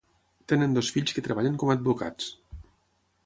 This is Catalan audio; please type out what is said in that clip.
Tenen dos fills que treballen com a advocats.